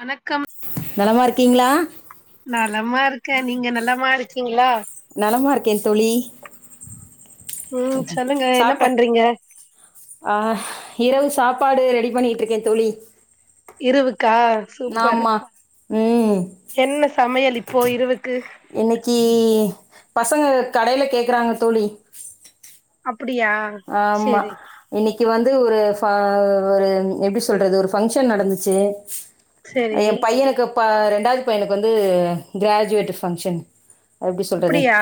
வணக்கம் நலமா இருக்கீங்களா நலமா இருக்கே நீங்க நலமா இருக்கீங்ளா நலமா இருக்கே தோழி ம் சொல்லுங்க என்ன சாப்பிட்ட பண்றீங்க ஆ இரவு சாப்பாடு ரெடி பண்ணிகிட்ருக்கே தோழி இரவுக்கா சூப்பர் ஆமா ம் என்ன சமையல் இப்போ இரவுக் இன்னைக்கி பசங்க கடையில கேக்குறாங்க தோழி அப்புடியா ஆமா இன்னைக்கி வந்து ஒரு ஃபா ஒரு எப்டி சொல்றது ஒரு ஃபங்க்ஷன் நடந்துச்சு சேரி ஏ பையனுக்கு ப ரெண்டாவது பையனுக்கு வந்து கிராஜுவேட்டு ஃபங்க்ஷன் எப்டி சொல்றது அப்டியா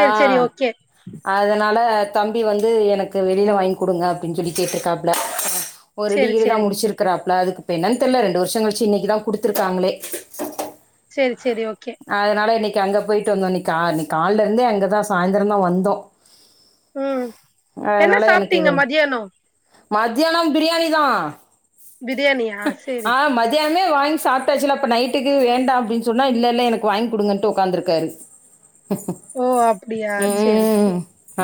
ஆ சேரி ஓகே அதுனால தம்பி வந் ந்து எனக்கு வெளில வாங்கி குடுங்க அப்டின்னு சொல்லி கேட்டுருக்காப்ல ஒரு சேரி டிகிரி தா சேரி முடிச்சுருக்கறாப்ல அதுக்கு இப்ப என்னனு தெர்ல ரெண்டு வருஷோ கழுச்சி இன்னைக்கி தா குடுத்துருக்காங்களே செரி செரி ஓகே அதுனால இன்னைக்கு அங்க போயிட்டு வந்தோ இன்னைக்கு கா இன்னைக்கு கால்ல இருந்தே அங்கதா சாய்ந்தரந்தா வந்தோ ம் என்ன சாப்டீங்க மதியானோ மத்தியானோ பிரியாணி தா பிரியாணியா சேரி மத்தியானமே வாங்கி சாப்டாச்சுல்ல இப்ப நைட்டுக்கு வேண்டாம் அப்டினு சொன்னா இல்ல இல்ல எனக்கு வாங்கி குடுங்கன்ட்டு ஒக்காந்துருக்காரு [inaudible] ஓ அப்புடியா சேரி ம்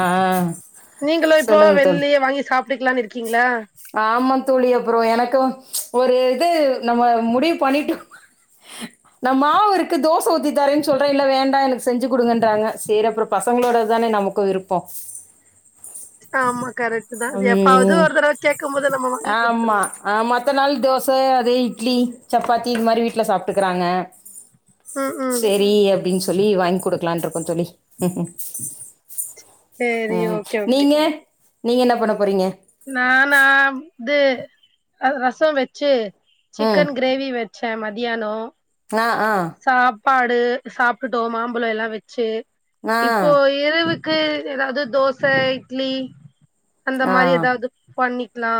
ஆ நீங்களு இப்போ சொல்லுங்க தோழி வெளிய வாங்கி சாப் விட்டுக்கலானு இருக்கீங்களா ஆமா தோழி அப்புறோ எனக்கு ஒரு இது நம்ம முடிவு பண்ணிட்டோ நா மாவு இருக்கு தோச ஊத்தித் தாரேன் சொல்றே இல்ல வேண்டா எனக்கு செஞ்சு குடுங்கன்றாங்க சேரி அப்புறம் பசங்களோடத்தானே நமக்கும் விருப்பம் ஆமா கரெக்ட் தா எப்பாவது ம் ஒரு தடவ கேட்கும் போது நம்ம வாங்கி ஆமா குடுத்துர்ணு அ மத்த நாள் தோச அதே இட்லி சப்பாத்தி இது மாரி வீட்ல சாப்ட்டுக்குறாங்க ம் ம் சேரி அப்படின் சொல்லி வாங்கி குடுக்கலானு இருக்கோம் தோழி சேரி ம் ஓகே ஓகே நீங்க நீங்க என்ன பண்ண போறீங்க நானா இது ரசம் வச்சு ம் சிக்கன் கிரே கிரேவி வச்ச மதியானம் அ அ சாப்பாடு சாப்ட்டுட்டோம் மாம்பழம் எல்லா வச்சு ஆ இப்போ இரவுக்கு ஏதாவது தோச இட்லி அந்த ஆ மாரி இது பண்ணிக்கலா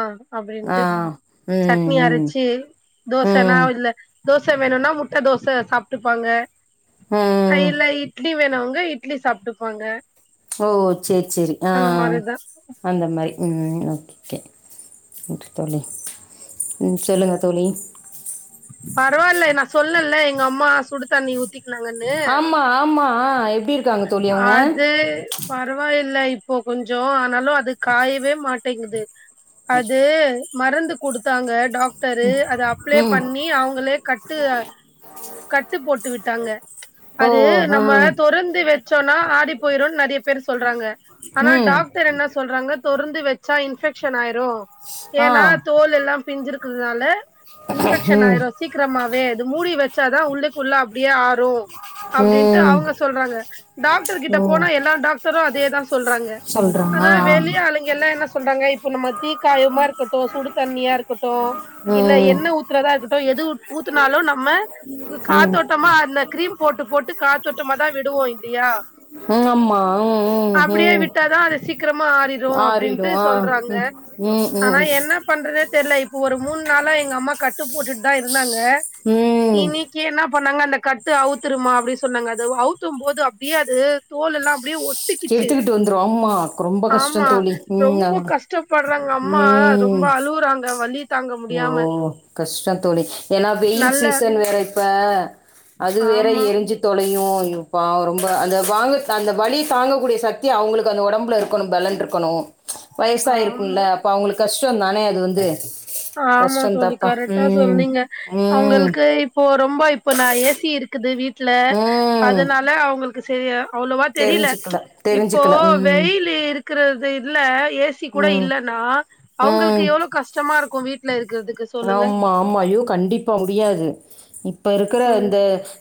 ஆ அப்டின்ட்டு ம் சட்னி ம் அரச்சு தோசைன்னா ம் இல்ல தோச வேணுனா முட்டை தோசை சாப்ட்டுப்பாங்க ம் இல்ல இ இட்லி வேணுவுங்க இட்லி சாப்ட்டுப்பாங்க ஓ சேரி சேரி அ அந்த மாரிதா அந்த மாரி ம் ஓகே ஓகே தோழி ம் சொல்லுங்க தோழி பரவாயில்ல நான் சொல்னேல எங்க அம்மா சுடுதண்ணி ஊத்திக்குனாங்கன்னு ஆமா ஆமா ஆ எப்டி இருக்காங்க தோழி அவுங்க அது பரவாயில்ல இப்போ கொஞ்சோ ஆனாலும் அது காயவே மாட்டேங்குது அது மருந்து குடுத்தாங்க டாக்ட் டரு அத அப்ளை ம் பண்ணி அவுங்களே கட்டு கட்டு போட்டு விட்டாங்க ஓ அது ஆ நம்ம தொறந்து து வச்சோம்னா ஆரி போயிரும் நிறைய பேர் சொல்றாங்க ஆனா ம் டாக் டர் என்ன சொல்றாங்க தொறந்து வச்சா இன்ஃபெக்க்ஷன் ஆயிரும் ஆ ஏன்னா தோல் எல்லா பிஞ்சிருக்குறதால இன்ஃபெக்க்ஷன் ம் ஆயிரும் சீக்கிரமாவே இது மூடி வச்சாதா உள்ளுக்குள்ள அப்படியே ஆறும் அப்படின்ட்டு ம் அவுங்க சொல்றாங்க டாக்டர் கிட்ட ஓ போனா எல்லா டாக்டரும் அதேதா சொல்றாங்க சொல்றாங்க ஆனா ஆ வெளிய ஆளுங்கெல்லா என்ன சொல்றாங்க இப்ப நம்ம தீக்காயமா இருக்கட்டும் சுடு தண்ணியா இருக்கட்டும் இல்ல ம் எண்ண ஊத்துறதா இருக்கட்டும் எது ஊத்தினாலு நம்ம ம் காத்தோட்டமா அந்த கிரீம் போட்டு போட்டு காத்தோட்டமாதா விடுவோம் இல்லையா ம் ஆமா ம் ம் ம் ஆனா அது சீக்கிரமா ஆறிடும் ஆறிடு அப்படின்ட்டு ஆ சொல்றாங்க ம் ஆனா ம் என்ன என்ன பண்றதுனே தெரியல இப்ப ஒரு மூணு நாளா எங்க அம்மா கட்டு போட்டுட்டு தா இருந்தாங்க ம் ம் இன்னை அங்க என்ன பண்ணாங்க அந்த கட்டு அவுத்துருமா அப்படின் சொன்னாங்க அது அவுக்கும் போது முடியாது தோல் எல்லா அப்படியே ஓ எடுத்துக்கிட்டு வந்துரும் ஆமா ரொம்ப ஆமா கஷ்டம் தோழி ரொம்ப உம் கஷ்டப்படுறாங்க அம்மா ரொம்ப ம் அழுவுறாங்க வலி தாங்க ஓ முடியாம கஷ்டம் தோழி ஏன்னா வெயில் நல்ல சீசன் வேற இப்போ அது வேற ஆமா எரிஞ்சு தொலையும் அய்யோ பாவம் ரொம்ப அந்த வாங்க அந்த வலிய தாங்கக்கூடிய சக்தி அவுங்களுக்கு அந்த உடம்புல இருக்கணும் பலண் இருக்கணும் ஆமா வயசாயிருக்கும்ல அப்ப அவுங்களுக்கு கஷ்டம் தானே அது வந்து ஆமா கஷ்டம் தோழி தாப்பா கரெக்டா ம் சொன்னீங்க ம் அவுங்களுக்கு இப்ப ரொம்ப இப்போ நா ஏ சி இருக்குது வீட்டுல ம் அதனால அவங்களுக்கு க்கு செரியா அவ்வளோவா தெரியல ச்சு தெரிஞ்சுக்கல இப்போ தெரிஞ்சுக்கல ம் வெயில் இருக்கிறது இல்ல ஏ சி கூட ம் இல்லன்னா அவங்களுக்கு ம் எவ்ளோ கஷ்டமா இருக்கு வீட்ல இருக்கிறதுக்கு சொல்லுங்க ஆமா ஆமா யோ கண்டிப்பா முடியாது இப்ப இருக்கிற ம் இந்த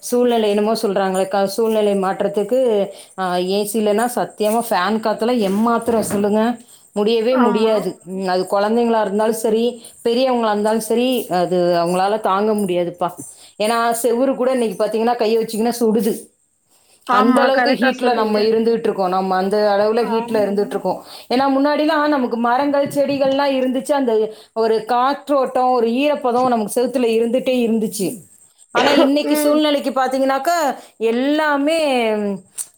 சூழ்நிலை என்னுமோ சொல்கிறாங்கக்க சூழ்நிலை மாற்றத்துக்கு ஆ ஏ சியிலன்னா சத்தியமா ஃபேன் காத்தெல்லா எம்மாத்திரம் சொல்லுங்க முடியவே ஆமா முடியாது அது கொழந்தைங்களா இருந்தாலு செரி பெரியவங்களா இருந்தாலு செரி அது அவங்களால தாங்க முடியாதுப்பா ஏன்னா செவுரு கூட இன்னைக்கு பாத்தீங்கன்னா கையை வச்சுங்கன்னா சுடுது அந்த ஆமா அளவுக்கு கரெக்டா ஹீட்ல சொன்னீங்க நம்ம இருந்துட்டு இருக்கோ நம்ம அந்த அளவுல ஹீட்ல ஆமா இருந்துட்டு இருக்கோ ஏன்னா முன்னாடி எல்லா நமக்கு மரங்கள் செடிகள் எல்லா இருந்துச்சு அந்த ஒரு காத் ற்று ஓட்டோ ஒரு ஈரப்பதம் நமக்கு செவுத்துல இருந்துட்டே இருந்துச்சு ஆனா இன்னைக்கு ம் சூழ்நிலைக்கு பாத்தீங்கன்னாக்க எல்லாமே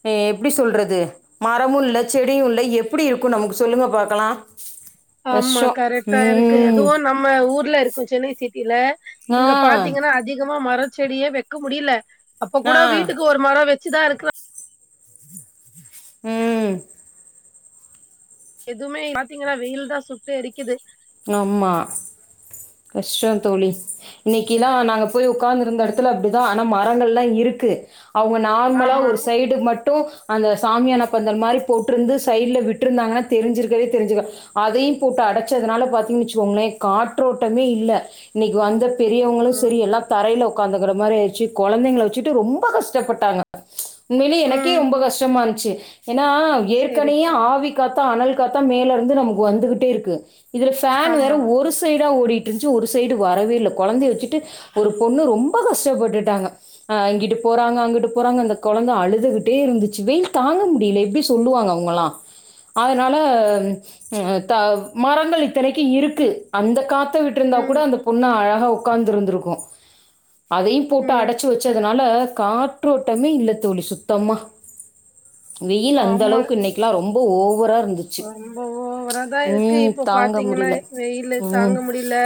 ச்சு எப்டி சொல்றது மரமுமில்ல செடியுமில்ல எப்டி இருக்கு நமக்கு சொல்லுங்க பாக்கலா ஆமா கரெக்டா இருக்கு எதுவு நம்ம நம்ம ஊர்ல இருக்கு சென்னை சிட்டியில ஆ. இங்க பாத்தீங்கன்னா அதிகமா மரத் செடியை வைக்க முடியல அப்ப ஆ. கூட வீட்டுக்கு ஒரு மரோ வச்சுதா இருக்கிற ம் இதுவுமே பாத்தீங்கன்னா வெயில்தா சுட்டு எரிக்குது ஆமா கஷ்டம் தோழி இன்னைக்கி எல்லா நாங்க போய் உட்கார்ந்து இருந்த இடத்துல அப்டிதா ஆனா மரங்கள் எல்லா இருக்கு அவங்க நார்மலா ஆமா ஒரு சைடு மட்டு அந்த சாமியான பந்தல் மாரி போட்டிருந்து சைட்ல விட்டுருந்தாங்கன்ன தெரி்சிருக்கவே தெரிஞ்சுக்க அதையு போட்டு அடைச்சதுனால பாத்தீங்க வச்சுக்கோங்களே காற்றோட்டமே இல்ல இன்னைக்கு வந்த பெரியவங்களும் ம் செரி எல்லா தரையில உட்காந்துக்கிற மாதிரி ஆயிச்சு கொழந்தைங்கள வச்சுட்டு ரொம்ப கஷ்டப்பட்டாங்க உண்மையிலேயே எனக்கே ம் ரொம்ப கஷ்டமா இருந்துச்சு ஏன்னா செரி ஏற்கனையே ஆவி காத்தா அனல் காத்தா மேல இருந்து நமக்கு வந்துகிட்டே இருக்கு இதுல ஃபேன் வேற ஆமா ஒரு சைடா ஓடிட்டு ன்றுச்சு ஒரு சைடு வரவே இல்ல கொழந்தைய வச்சுட்டு ஒரு பொண்ணு ரொம்ப கஷ்டப்பட்டுட்டாங்க அ இங்கிட்டு போறாங்க அங்கிட்டு போறாங்க அந்த கொழந்த அழுதுகிட்டே இருந்துச்சு வெயில் தாங்க முடியல எப்டி சொல்லுவாங்க அவங்களா அதனால த மரங்கள் இத்தனைக்கு இருக்கு அந்த காத்த விட்டுருந்தா ம் கூட அந்த பொண்ணு அழகா உட்காந்து இருந்திருக்கு அதையு போட்டு ம் அடச்சு வச்சதுனால காற்றோட்டமே இல்ல தோழி சுத்தமா வெயில் அந்த ஆமா அளவுக்கு இன்னைக்கலா ரொம்ப ஓவரா இருந்தது ரொம்ப ஓவர ஆ தா இருக்கு இப்போ தாங்க பாத்தீங் இந்த முடியல. மாரி வெயிலு ம். தாங்க முடியல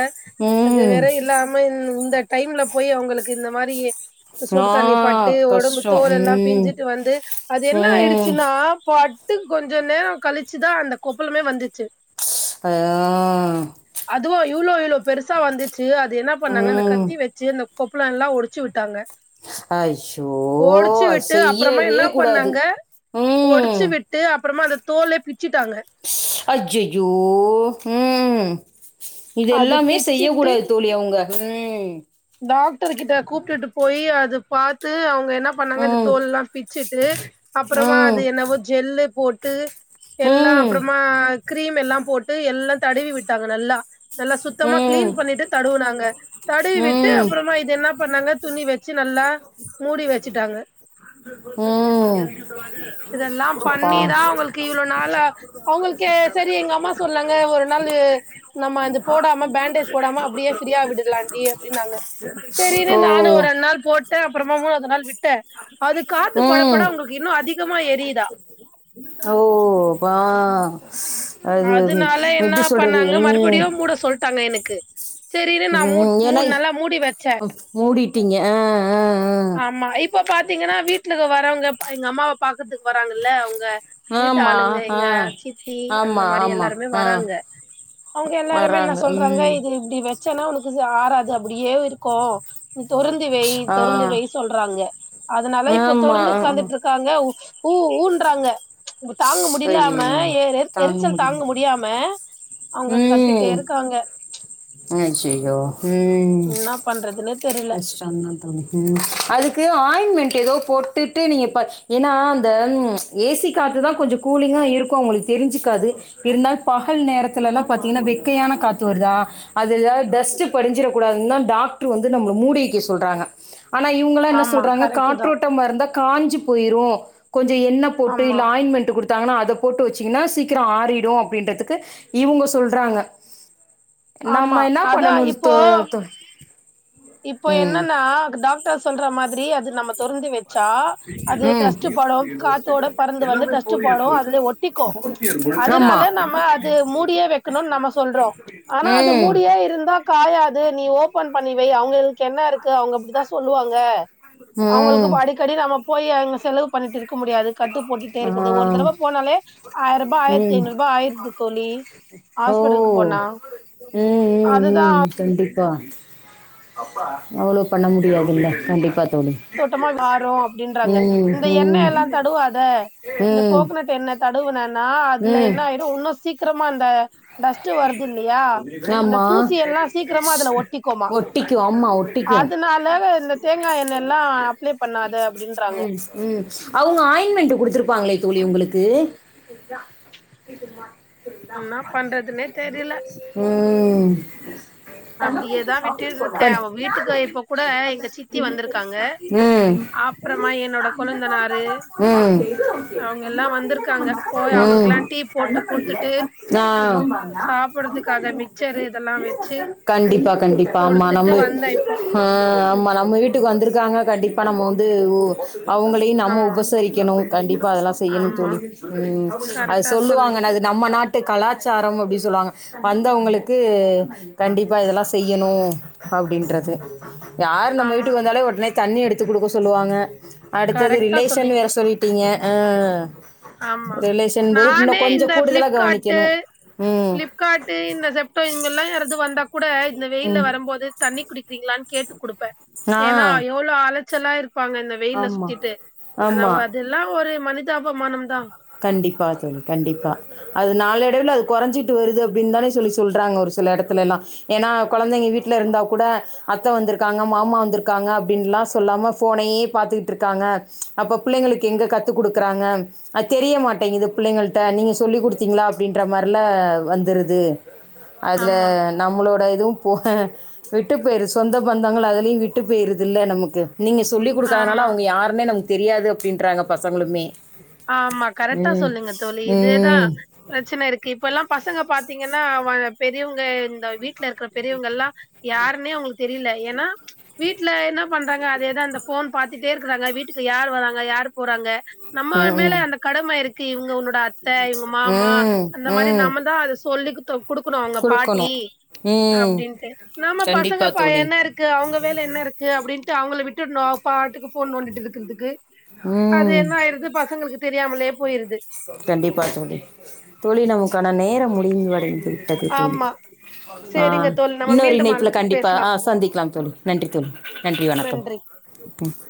அது ம். வேற இல்லா வேணு இந்த டைம்ல போய் அவங்களுக்கு இந்த மாரி ஆ சுடு தண்ணி பட்டு உடம்பு கஷ்டோ. தோல் எல்லா ம். பிஞ்சிட்டு வந்து அது என்ன ம். ஆயிடுச்சுன்னா பட்டு கொஞ்சோ நேரோ கழிச்சுதா அந்த கொப்பளமே வந்துச்சு ப்பா ஆ அதுவு இவ்ளோ இவ்ளோ பெருசா வந்துச்சு அது என்ன பண்ணாங்க அந்த ம். கத்தி வச்சு அந்த கொப்புள எல்லா உடைச்சு விட்டாங்க ஐயோ! ஓடிச்சு அது விட்டு அப்புறமா செய்யவே என்ன கூடாது. பண்ணாங்க ஓடிச்சு ம். விட் ட்டு அப்புறமா அந்த தோல பிச்சுட்டாங்க ஸ் ஐய்யயோ ம் அது இதெல்லாமே பிச்சிட்டு செய்யக்கூடாது தோழி அவங்க ஹம் டாக்டர் கிட்ட கூப்பிட்டுட்டு போய் அது பாத்து அவங்க என்ன பண்ணாங்க அது ம். தோல்லா பிச்சுட்டு அப்புறமா ம் அது என்னவோ ஜெல்லு போட்டு எல்லா ம் அப்புறமா கிரீம் எல்லா போட்டு எல்லா தடவி விட்டாங்க நல்லா நல்லா சுத்தமா ம் கிளீன் பண்ணிட்டு தடுவுனாங்க தடுவி விட்டு ம் அப்புறமா இது என்ன பண்ணாங்க துணி வச்சு நல்லா மூடி வச்சுட்டாங்க ம் பா கு இவ்ளவு நாளா அவங்களுக்கு சரி எங்க அம்மா சொல்லறாங்க ஒரு நாளு நம்ம அது போடாம பேண்டேஜ் போடாம அப்படியே ப்ரீயா விடலாம்ண்டி அப்படின்னாங்க செரி இரு ஓ நானும் ஒரு ரெண்டு நாள் போட்ட அப்பொரோ மூணது நாள் விட்டே அது காத்து ம் படப்பட உங்களுக்கு இன்னு அதிகமா எரியுதா ஓ வா அது எப்டி சொல்ரது ம் கூட சொல்ட்டாங்க எனக்கு சரின்னு நான் மு ம் ஏன்னா மூனு நல்லா மூடி வச்ச மூடிட்டீங்க ஆ ஆ ஆ ஆமா இப்ப பாத்தீங்கன்னா வீட்டுல வரவங்க எங்க அம்மாவ பாக்கரத்துக்கு வராாங்கல்ல அவங்க ங்க ஆ வீட்டு ஆமா ஆளுங்க ஆ எங்க சித்தி அந்த ஆமா மாரி ஆமா எல்லாருமே ஆ வராங்க அவங்க எல்லாருமே என்ன வராங்க சொல்றாங்க ம் இது இப்படி வெக் சனா உனக்கு ஆறாது அப்படியே இருக்கும் நீ தொரந்து வை ஆ தொறந்து பொய் சொல்றாங்க அதனால இப்ப ஆமா தொரந்து ஆ ஆ. உட்காந்துட்டுருக்க காங்க ஊ ஊன்றாங்க தாங்க முடிலாம ஐயையோ ஏர் ஏர் எரிச்சல் தாங்க முடியாம அவங்க கத்திட்டே இருக்காங்க ஆச் ஐயோ உம் என்னா பண்றதுன்னே தெரில ஆச் சந்தந்தா ம் அதுக்கு ஆயின்மெண்ட் ஏதோ போட்டுட்டு நீங்க ப ஏனா அந்த ஏசி காத்து தா கொஞ்சோ கூலிங்கா இருக்கும் அவங்களுக்கு தெரிஞ்சுக்காது இருந்தாலு பஹல் நேரத்துலல்லா ஆமா பாத்தீங்கன்னா வெக் கையான காத்து வருதா அது எதாது டஸ்ட் படிஞ்சிர கூடாதுனு தான் டாக்டர் வந்து நம்மள மூடி வைக்க சொல்றாங்க ஆனா இவங்களா என்ன ஆமா சொல்றாங்க கரெக்ட் தா காற்றோட்டம இருந்தா காஞ்சு போயிரு கொஞ்ச என்ன போட்டு ஆமா இல்ல ஆயின்மென்ட் டாங்கனா அத போட்டு வச்சீங்கன்னா சீக்கிரோ ஆறிடு அப்படின்றதுக்கு இவுங்கோ சொல்றாங்க ஆமா நம்ம என்ன அதா பண்ணணு இப்போ ஸ்தோ தோ இப்போ ம் என்னன்னா டாக்டர் சொல்ற மாதிரி அது நம்ம தொருந்து வெ சா அது ம் டஸ்டு படும் காத்தோட பறந்து வந்து டஸ்ட் படு அதுல ஓ டீக்கும் ஆமா அதனால நம்ம அது மூடியே வைக்கணுனு நம்ம சொல்றோம் ஆனா அது ம் மூடியே இருந்தா காயாது நீ ஓபன் பண்ணிவை அவங்கலுக் கென்னருக்கு அவங்க அப்படித்தான் சொல்லுவாங்க அவங்களுக்கு ம் படிக்க கடி நம்ம போய் அங்க செலவு பண்ட்டு இருக்க முடியாது கட்டு போட்டுட்டே ஆ இருக்குது ஒரு தடவ போனாலே ஆயிர ரூபா ஆயிரத்தி ம் ஐநூறுபா ஆயிடுது த தொழி ஓ உம் உம் அதுதா ம் கண்டிப்பா அவ்ளோ பண்ண முடியாதுல்ல கண்டிப்பா தோழி தோட்டமா வாரோம் அப்படின்றாங்க ம் இந்த ம் எண்ணெய் எல்லாம் தடுவாத இந்த ம் கோக்னட் என்ன தடுவுனன்னா அதுல ம் என்ன ஆயிரும் உன்னு சீக்கிரமா அந்த டஸ்ட்டு வருதில்லையா அந்த ஆமா தூசி எல்லாம் சீக்கிரமா அதுல ஒட்டிக்கோமா ஒட்டிக்கு ஆமா ஒட்டிக்கு ம் அதனால இந்த தேங்காய் எண்ண எல்லாம் அப்ளை பண்ணாத அப்படின்றாங்க ம் அவங்க ஆயின்மெண்ட் கொடுத்துருப்பாங்களே தோழி உங்களுக்கு ன்னா பண்றதுன்னே தெரில ம் அப்டியேதா விட்டுட்டு இருக்கே அவ வீட்டுக்கு [unintelligible] இப்ப கூட எங்க சித்தி வந்திருக்காங்க ம் அப்றமா என்னோட கொழுந்தனாரு ம் அவங்க எல்லா வந்திருக்காங்க போய் ம் அவங்களுக்கெல்லா டீ போட்டு குடுத்துட்டு ஆ சாப்புட்றதுக்காக மிக்சரு இதெல்லா வெச்சு கண்டிப்பா கண்டிப்பா ஆமா குடுத்துட்டு நம்ப வந்தே இப்போ ஆ ஆமா நம்ப வீட்டுக்கு வந்துருக்காங்க கண்டிப்பா நம்ம வந்து ஓ அவுங்க ட்டயு நம்ம ஆமா உபசரிக்கணு கண்டிப்பா அதெல்லா செய்யனு ஆமா தோழி ம் அது கரெக்டா சொல்லுவாங்க சொன்னீங்க நம்ம நாட்டு கலாச்சாரம் அப்டி சொல்லுவாங்க வந்தவங்களுக்கு கண்டிப்பா இதெல்லா செய்யணு அப்டின்றது யாரு நம்ம ஆமா வீட்டுக்கு வந்தாலே ஒடனே தண்ணி எடுத்து குடுக்க சொல்லுவாங்க அடுத்தது கரெக்டா ரிலேசன் சொன்னீங்க வேற சொல்லிட்டீங்க ஹூ ஆமா ரிலேஷன் போது இன்ன நானே கொஞ்சோ இந்த கூடுதலா ஃபிளிப்கார்ட்டு கவனிக்கணு ஃபிளிப்கார்ட்டு இந்த செப்டோ இவ்ங்க எல்லா யாராது வந்தா கூட இந்த வெயில்ல ம் வரும்போது தண்ணி குடிக்கிறீங்ளான் கேட்டு குடுப்பே ஏன்னா ஆ எவளோ அலைச்சலா இருப்பாங்க இந்த வெயில்ல ஆமா சுத்திட்டு ஆனா ஆமா அதெல்லா ஒரு மனிதாபமானம் தா கண்டிப்பா தோழி கண்டிப்பா அது நாளடைவுல அது குறைஞ்சிட்டு வருது அப்டின் தானே சொல்லி சொல்றாங்க ஒரு சில எடத்துலலா ஏன்னா கொழந்தைங்க வீட்ல இருந்தா கூட அத்த வந்துருக்காங்க மாமா வந்துருக்காங்க அப்டின்லா சொல்லாம ஃபோனயே பாத்துக்கிட்ருக்காங்க அப்ப பிள்ளைங்களுக்கு எங்க கத்து குடுக்கறாங்க அது தெரிய மாட்டேங்குது பிள்ளைகள்ட்ட நீங்க சொல்லி் குடுத்தீங்ளா அப்டின்ற மார்லா வந்துருது அதுல ஆமா நம்மளோட இதுவும் போக விட்டு போயிரு சொந்த பந்தங்கள் அதுலயு விட்டு போயிருதுல்ல நமக்கு நீங்க சொல்லி குடுக்காதனால ஆமா அவுங்க யாருனே நமக்கு தெரியாது அப்டின்றாங்க பசங்களுமே ஆமா ம் கரெக்ட்டா சொன்னீங்க தோழி இதேதா ம் பிரச்சன இருக்கு இப்பல்லா பசங்க பாத்தீங்கன்னா வ பெரியவ்ங்க இந்த வீ ட்ல இருக்கற பெரியவங்க எல்லா யாருனே அவ்ங்ளுக்கு தெரில ஏன்னா வீட்ல என்ன பண்றாங்க அதேதா இந்த ஃபோன் பாத்துட்டே இருக்றாங்க வீட்டுக்கு யார் வராங்க யாரு போறாங்க நம்ம மேல ம் அந்த கடம இருக்கு இவங்க உன் னோட அத்த இவ்ங்க மாமா ம் அந்த மாரி ம் நம்ம தா அத சொல்லி குட்த் து குடுக்கணு அவ்ங்க குடுக்கணு பாட்டி ம் அப்டின்ட்டு நாம கண்டிப்பா பசங்கபா தோழி என்ன இருக் கு அவுங்க வேல என்ன இருக்கு அப்டின்ட்டு அவங்கள விட்டுன்னு அவ பாட்டுக்கு ஃபோன் நோன்டிட் இருக்கிறதுக்கு அது ம் என்ன ஆயிருது பசங்களுக்கு தெரியாமலே போயிருது கண்டிப்பா தோழி தோழி நமுக்கான நேரம் முடிவு அடைந்து விட்டது தோழி ஆமா ஆ சேரிங்க தோழி நம்ம இன்னொரு மீண்டும் இணைப்புல அழைப்பில் கண்டிப்பா ஆ பேசலாம் சந்திக்கலாம் தோழி நன்றி தோழி நன்றி வணக்கம் ம்